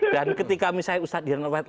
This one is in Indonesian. dan ketika misalnya ustaz hidayat nur wahid